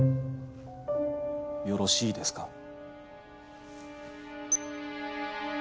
よろしいですか？